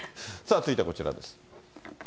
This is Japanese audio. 続いてはこちらです。